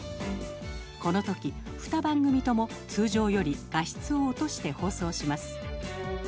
このとき、２番組とも通常より画質を落として放送します。